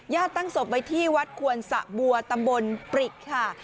ตั้งศพไว้ที่วัดควนสะบัวตำบลปริกค่ะ